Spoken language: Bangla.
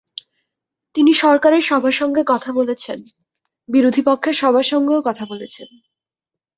তিনি সরকারের সবার সঙ্গে কথা বলেছেন, বিরোধী পক্ষের সবার সঙ্গেও কথা বলেছেন।